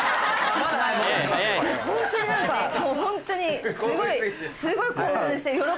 ホントに何かもうホントにすごいすごい。